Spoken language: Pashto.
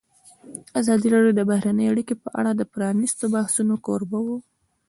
ازادي راډیو د بهرنۍ اړیکې په اړه د پرانیستو بحثونو کوربه وه.